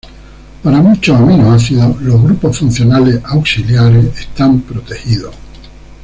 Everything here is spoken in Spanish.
Para muchos aminoácidos, los grupos funcionales auxiliares están protegidos.